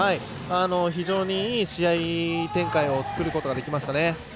非常にいい試合展開を作ることができましたね。